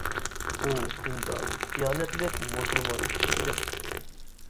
ئۇ، دىندار، دىيانەتلىك مۇسۇلمان كىشى ئىدى.